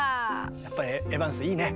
やっぱりエヴァンスいいね！